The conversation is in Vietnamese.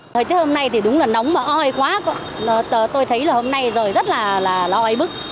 thời tiết hôm nay thì đúng là nóng mà oi quá tôi thấy là hôm nay rồi rất là lòi bức